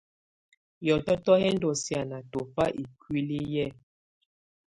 Hiɔtɔtɔ hɛ̀ ndù siana tɔfa ikuili yɛ.